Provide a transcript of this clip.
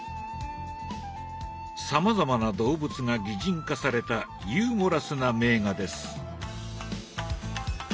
さまざまな動物が擬人化されたユーモラスな名画です。